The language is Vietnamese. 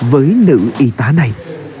với nữ y tá này